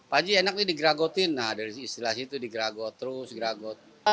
pak haji enak nih digeragotin nah dari istilah situ digeragot terus geragot